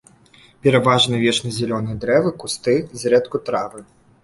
Пераважна вечназялёныя дрэвы, кусты, зрэдку травы.